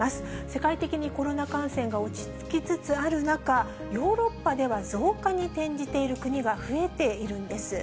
世界的にコロナ感染が落ち着きつつある中、ヨーロッパでは増加に転じている国が増えているんです。